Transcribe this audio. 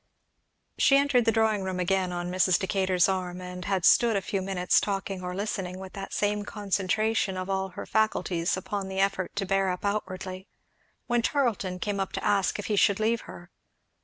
She entered the drawing room again on Mrs. Decatur's arm, and had stood a few minutes talking or listening, with that same concentration of all her faculties upon the effort to bear up outwardly, when Charlton came up to ask if he should leave her.